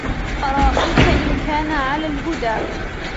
أرأيت إن كان على الهدى